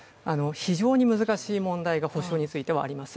非常に難しい問題が補償についてはあります